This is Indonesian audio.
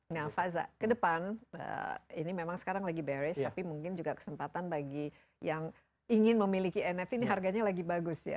nah faza ke depan ini memang sekarang lagi beres tapi mungkin juga kesempatan bagi yang ingin memiliki nft ini harganya lagi bagus ya